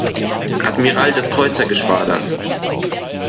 Admiral des Kreuzergeschwaders.